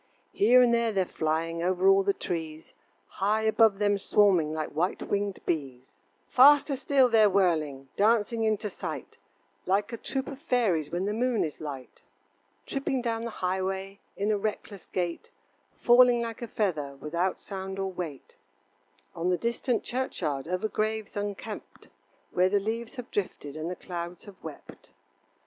Here and there they're flying Over all the trees, High above them swarming Like white winged bees. Faster still they're whirling, Dancing into sight, Like a troop of fairies When the moon is light. Tripping down the highway In a reckless gait, Falling like a feather Without sound or weight. On the distant churchyard Over graves unkept, Where the leaves have drifted And the clouds have wept.